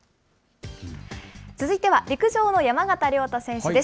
続いては陸上の山縣亮太選手です。